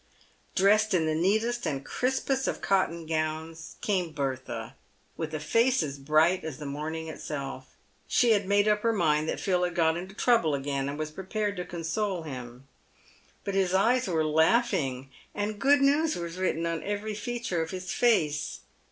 Dressed in the neatest and crispest of cotton gowns, came Bertha, with a face as bright as the morning itself. She had made up her mind that Phil had got into trouble again, and was prepared to console him. But his eyes were laughing, and good news was written on every feature of his face.